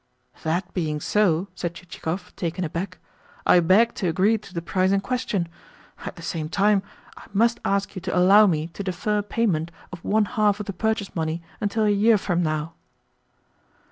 "That being so," said Chichikov, taken aback, "I beg to agree to the price in question. At the same time, I must ask you to allow me to defer payment of one half of the purchase money until a year from now."